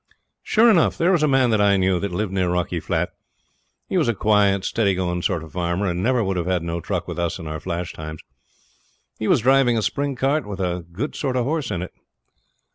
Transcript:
Sure enough there was a man that I knew, and that lived near Rocky Flat. He was a quiet, steady going sort of farmer, and never would have no truck with us in our flash times. He was driving a springcart, with a good sort of horse in it.